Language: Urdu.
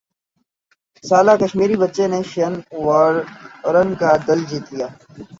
سالہ کشمیری بچے نے شین وارن کا دل جیت لیا